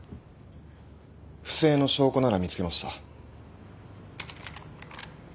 不正の証拠なら見つけました。